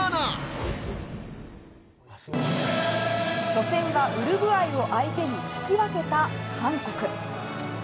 初戦はウルグアイを相手に引き分けた韓国。